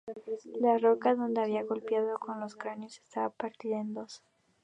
La roca donde había golpeado con el cráneo estaba partida en dos.